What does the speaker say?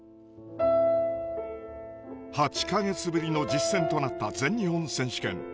８か月ぶりの実戦となった全日本選手権。